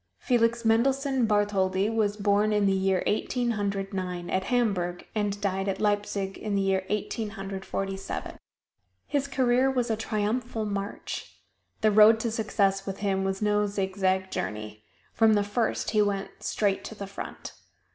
Felix Mendelssohn Bartholdy was born in the year Eighteen Hundred Nine, at Hamburg, and died at Leipzig in the year Eighteen Hundred Forty seven. His career was a triumphal march. The road to success with him was no zigzag journey from the first he went straight to the front.